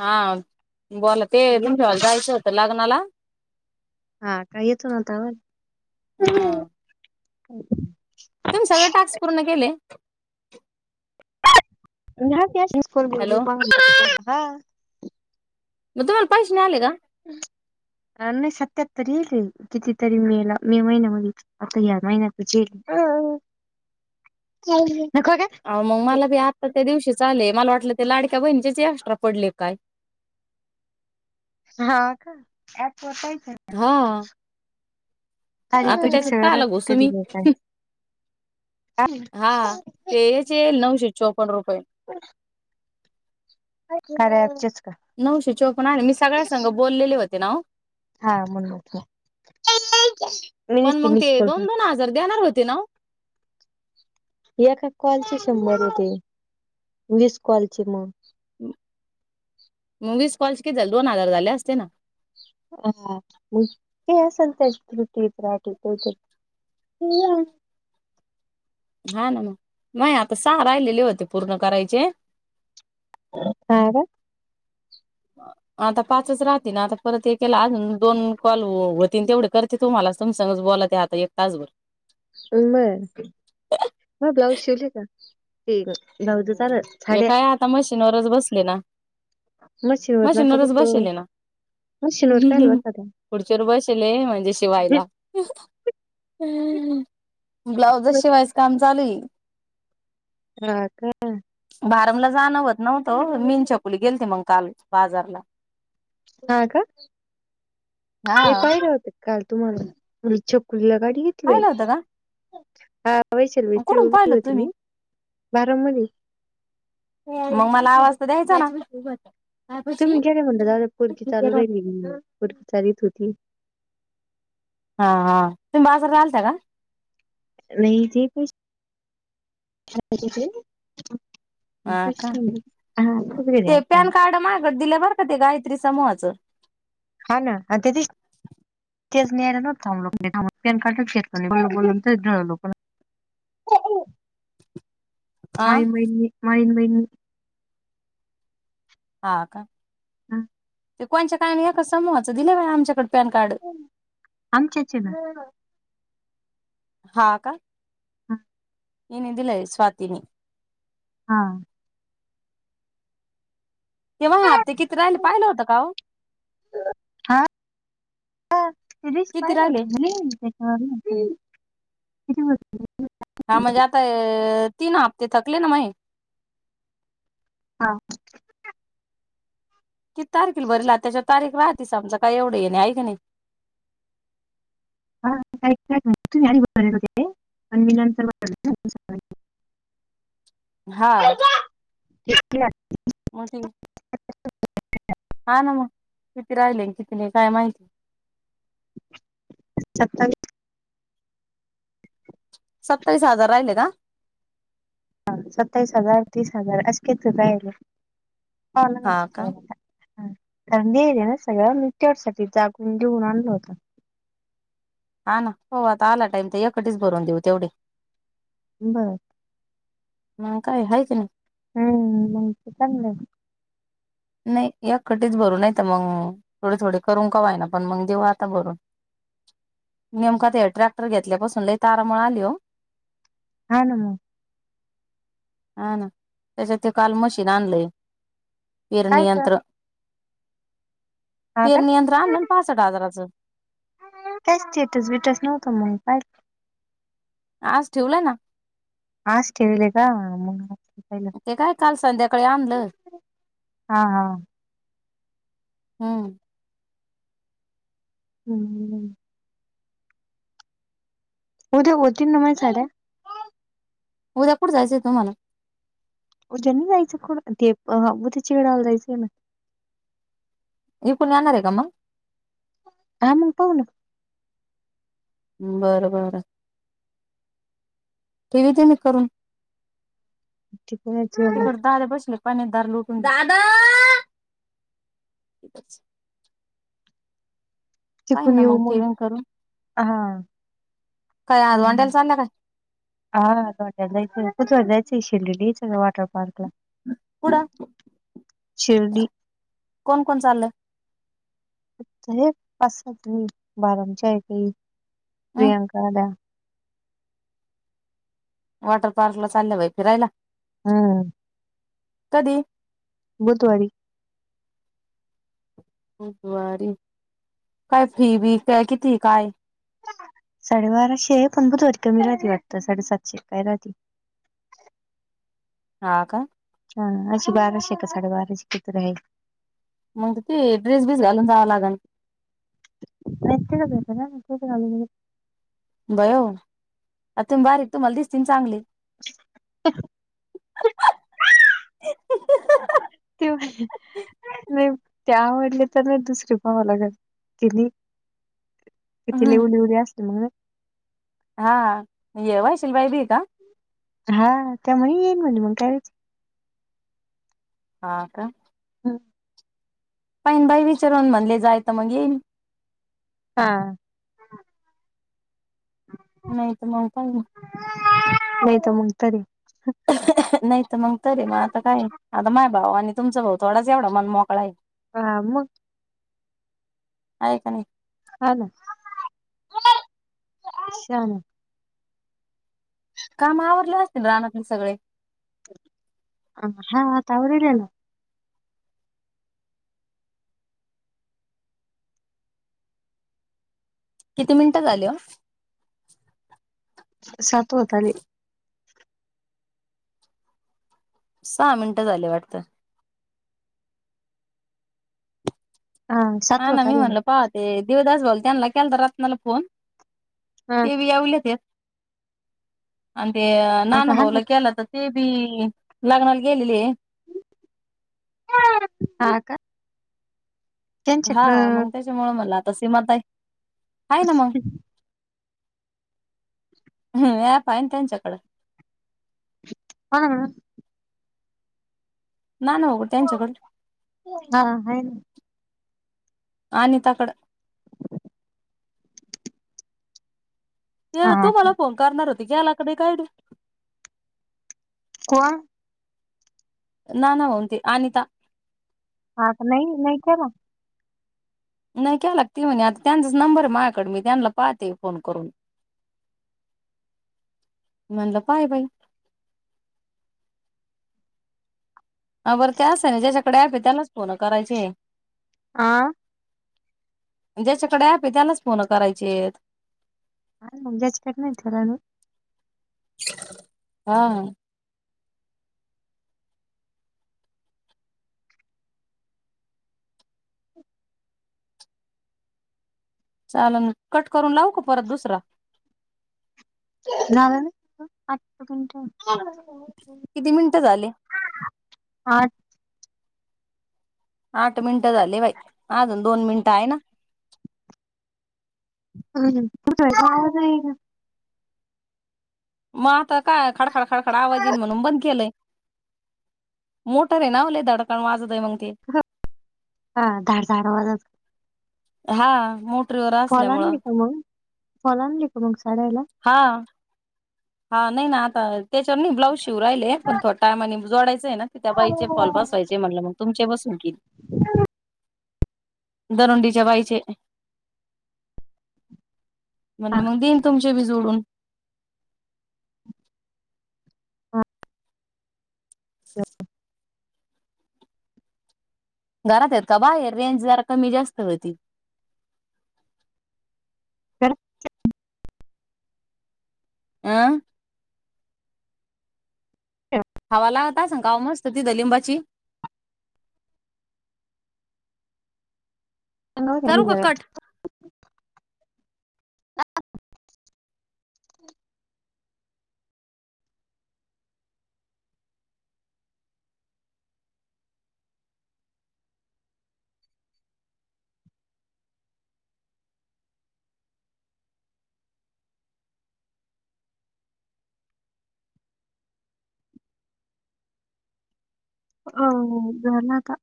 हा. बोला, ते येत तुमच्या जायचं होतं लग्नाला. हा काही येत नवत व्हय. हा नाही तुम्ही सगळे टास्क पूर्ण [inaudible] [unintelligible] कोन बी येऊदे हॅलो उपास हा मग तुम्हाला पैसे नाही आले का? नाही सत्याहत्तर येईल की कितीतरी मे ला मे महिन्या मधे आता या महिन्यातच येईल. नको का? आव मग मला बी आत्ता त्या दिवशीच आले. मला वाटलं ते लाडक्या बहिणीचेच एक्स्ट्रा पडले काय? हा का? वर कायच हा आ तारीख आता बिरीख त्याच्यात सगळं कायला राहते घुसु मी कधी नाही काय हा ते याचे येल नऊश चे चोपण रुपये [unintelligible] कार्याचेच नऊशे चोपन आहे मी सगळ्या संग बोललेले व्हते. होते ना ओ हा म्हणूनच की मी पण देते मग मिस ते कॉल मग दोन दोन हजार देणार होते ना एका कॉल चे शंभर होते वीस कॉलचे मग म वीस कॉलचे किती झाले दोन हजार झाले असते ना हा हा मग काय तरी असल त्रुटी बिती हा ना मग नाय आता सहा राहिलेले होते पूर्ण करायचे. हा का? आता पाचच राहतीन आता परत हे केला अजून. दोन कॉल होत. तीन तेवढे करते तुम्हाला तुमासंगच बोलायचं आता एक तासभर बर मग माहे ब्लाऊज शिवले का? पी ग जावू दे दिवस हे काय आता मशीनवरच बसले ना मशीनवर नका मशीनवरच बसू बसीले ना मशीनवर काय बसा त्या. खुर्ची वर बसीले म्हणजे शिवायला. हम्म ब्लाउज शिवायच काम चालूये हा का भारमला जाण व्हत नव्हत ओ मिनच्या पुली गेलते मंग काल बाजारला हा का! हा ते बाहिर होते. काल तुम्हाला [unintelligible] [unintelligible] गाडी घेतले? पाहिलं होतं का हा. वैशाली कुठून उभी पाहिलत होती तुम्ही? मी बारामध्ये मंग मला आवाज द्यायचा ना. तुम्ही गेले म्हणता पोरगी चालू राहिली मग पोरगी चालीत होती. हा, हा. तुम्ही बाजार आलत्या का? [unintelligible] हा का [unintelligible] बर का ते गायत्री समूहाच हा, ना. हा तेची तेच न्यायला नव्हतं थांबलो. [unintelligible] पॅन कार्डच घेतल नाही [unintelligible] आ. माय महीन मी मायन [unintelligible] हा, का? हम्म. ते कोणच्या काय एकच समूहाचं दिलंय बाई आमच्याकडं. आमच्याचे ना हा, का? [unintelligible] इने दिलाय स्वातीनी. हा. तेव्हा हप्ते किती राहिले पाहिलं होतं का ओ? [unintelligible] त्यादिवशी किती पाहिलं राहिले होतं ना तुम्ही? त्याच्यावर [unintelligible] किती होते ते? हा म्हणजे आता तीन हप्ते थकले ना माही हा [unintelligible] कि तारखेला भरला त्याच्यावर तारीख राह तिचं आमचं काय एवढं ये नाहीये हाय का नाही? [unintelligible] तुम्ही आधी भरेल होते ते अन् मी नंतर भरले सकाळी. हा [unintelligible] [unintelligible] [unintelligible] हा ना मग. किती राहिले किती नाही काय माहिती. [unintelligible] सत्तावीस हजार राहिले का? हा सत्तावीस हजार तीस हजार अस काही तरी राहीले. पाला हा घालते का तेवढ्याला. हा थंडी हाय ना सगळं मी तेवढ्यासाठीच जागून घेवून आणलं होतं. हा ना हो आता आला टाइम तर एकटीच भरवून देऊ तेवढी बर मग काय हाय काय,? हम्म हम्म मग त चांगलंच नाही एखटीच भरू नाही तर मग थोडे-थोडे करून का व्हयना पण मग देऊ आता भरून नेमका आता ट्रॅक्टर घेतल्यापासून लय तारामळ आली ओ हा ना मग हा ना त्याच्या ते काल मशीन आणलंय काय पेरणी ग यंत्र हा का पेरणी यंत्र आणलं ना पासस्ट हजाराचं काय स्टेटस बीटास नव्हतं मग काय? आज ठेवलाय आज ठेवले का हा हा मग ते काय काल संध्याकाळी आणलं हा हा हम्म हू हू उद्या होतील ना माझ्या साड्या उद्या कुठ जायचंय तुम्हाला? उद्या नाही जायचं कुठे पण ते अ गुड्डीच्या गावला जायचं हाय ना इकडून येणार आहे का मग? हा मग पाहुं ना बरं बर ठेवी ते मी करून ती पन आज्जी आली. पाहा ना दार लोटून दादा. पाहि तिकून ना मग येऊ ठेऊन करून हा काय आज हा धौंड्याला चालला काय? हा धोंड्या ला जायचं उचल जायची ती शिर्डीच्या वॉटर पार्क ला. कुठ शिर्डी कोण कोण चाललय. च्या आहेत पास सात आहेत बाराम च्या हाएती हम्म प्रियांकाला. वॉटर पार्क ला चालल्या बाई फिरायला. हम्म कधी? बुधवारी बुधवारी काय फी बी काय किती काय? साडेबाराशेये पण बुधवारी कमी राहती वाटत साडेसातशे काय राहती? हा का? हा अशी बाराशे आहे का साडेबाराशे किती राहील? मग त ते ड्रेस बिस घालून जावं लागन. नसतय इ तसं काय ड्रेस घालून बिलून बयो आता तुमी बारीक तुमाला दिसतील चांगले. ते नाही त्या म्हणले तर नाही दुसरी पहावी लागलं. तिथे लई हम्म [unintelligible] मग? हा येवाई शिलबाई बी का? हा त्या म्हणे येईन म्हणजे मग का हा, का? हम्म. पाहिन बाई विचारून म्हणले जाय तर मग येईन. हा. नाही तर मग पाहि नाही तर मग तरी [unintelligible] नाही तर मंग तरी मग आता काय आता माय भाऊ आणि तुमचा भाऊ थोडाच एवढा मन मोकळा आहे. हा मग आहे का नाही? हा ना छान आहे. काम आवरलं असतील रानातले सगळे? अ हा आता आवरले ना. किती मिनिटं झाली ओ? सात होताले. सहा मिनिटं झाले वाटतं. हा ना मी म्हणल पाहते दिवदास बोलताल त्यांनला केलता रत्नाला फोन ते बी यवलेत अ ते हा का नाना हा ना भाऊला केला तर ते ती लग्नाला गेलेली आहे. हा का? हा त्यांच्याकडं मग त्याच्यामुळे मला आ तर सीमाताई [unintelligible] हमम अँप आहे ना त्यांच्याकडं. कोणाकड? नाही ना बघू त्यांच्याकडं ना मॅडम हा आहे ना अनिताकडं. ये तू हा का मला फोन करणार होत ते गेला का नई काय कोण? नाना भाऊ आणि ते अनिता हा क नाही नाही केला. नाय केला ती म्हने आता त्यांचाच नंबर मायाकड मी त्यांना पाहते फोन करून म्हणलं काय बाई हा बरं ते असं ना ज्याच्याकड असणं त्यांलाच फोन करायचे. आं ज्याच्याकडे अँप आहे त्यानाच फोन करायचेत. हा म्हणजेच [unintelligible] हा चालन कट करून लावू का परत दुसरा [unintelligible] किती मिनिटं झाले? आठ मिनट झाले बाई अजून दोन मिनिटं आहे ना ह कुठय गावा जाये का? म आता काय खडखड खडखड आवाज येईन म्हणून बंद केलय. मोटर हाय ना लय धडकान वाजतय मंग [unintelligible] हा मग फॉल आणली का मंग फॉल आणली का मंग हा हा नाही ना आता त्याच्यावर नाही ब्लाउज शिवु राहिले पण थोड्या टायमानी जोडायचंय ना त त्या हा बाईची फॉल बसवायचीये म्हणलं मंग तुमच्या पासून [unintelligible] दरोंडीच्या बाईचे म्हणलं मग देईन तुम ते बी जोडून [inaudible] [inaudible] घरात आहेत का बाहेर रेंज जरा कमी जास्त व्हती. [unintelligible] आं ठेवा. हवा लागत असन का ओ मस्त तिदं लिंबाची करू का कट [unintelligible] [inaudible] अं हो झाला आता